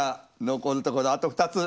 残るところあと２つ。